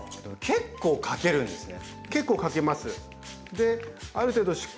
結構かけるんですね。